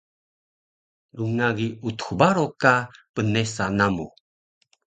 rngagi Utux Baro ka pnesa namu